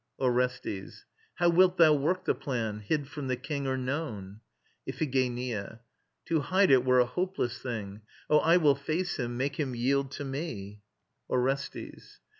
ORESTES. How wilt thou work the plan hid from the king Or known? IPHIGENIA. To hide it were a hopeless thing.. Oh, I will face him, make him yield to me. ORESTES.